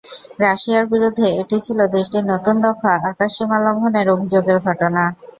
রাশিয়ার বিরুদ্ধে এটি ছিল দেশটির নতুন দফা আকাশসীমা লঙ্ঘনের অভিযোগের ঘটনা।